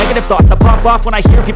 gila gak setau